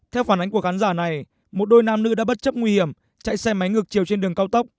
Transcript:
theo phản ánh của khán giả này một đôi nam nữ đã bất chấp nguy hiểm chạy xe máy ngược chiều trên đường cao tốc